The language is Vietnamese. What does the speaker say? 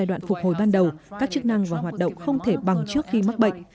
để phục hồi ban đầu các chức năng và hoạt động không thể bằng trước khi mắc bệnh